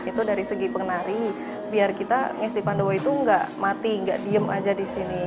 itu dari segi pengenari biar kita ngesti pandowo itu nggak mati nggak diem aja di sini